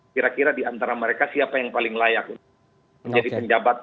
kira kira diantara mereka siapa yang paling layak menjadi penjabat